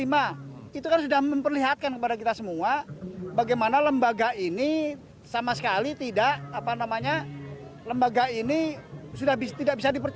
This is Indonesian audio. itu kan sudah memperlihatkan kepada kita semua bagaimana lembaga ini sama sekali tidak apa namanya lembaga ini sudah tidak bisa dipercaya